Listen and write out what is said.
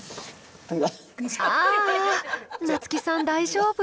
あ夏木さん大丈夫？